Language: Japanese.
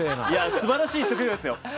素晴らしい職業ですよ。